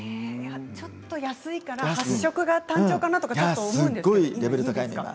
ちょっと安いから発色が単調かなと思うんですけど。